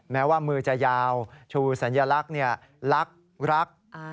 แม้ว่ามือจะยาวชูสัญลักษณ์รักรัก